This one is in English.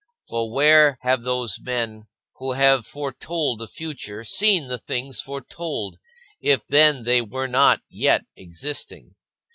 For where have those men who have foretold the future seen the things foretold, if then they were not yet existing?